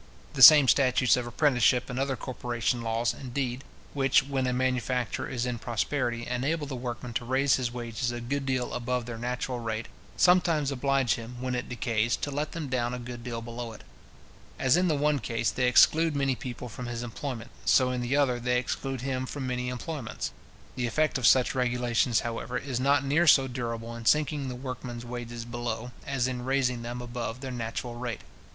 The same statutes of apprenticeship and other corporation laws, indeed, which, when a manufacture is in prosperity, enable the workman to raise his wages a good deal above their natural rate, sometimes oblige him, when it decays, to let them down a good deal below it. As in the one case they exclude many people from his employment, so in the other they exclude him from many employments. The effect of such regulations, however, is not near so durable in sinking the workman's wages below, as in raising them above their natural rate.